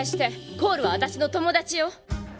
コールは私の友達よ。